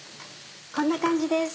こんな感じです